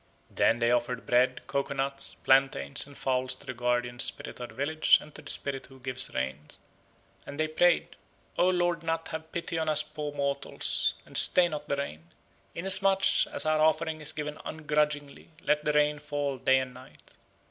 Then they offered bread, coco nuts, plantains, and fowls to the guardian spirit of the village and to the spirit who gives rain, and they prayed, "O Lord nat have pity on us poor mortals, and stay not the rain. Inasmuch as our offering is given ungrudgingly, let the rain fall day and night."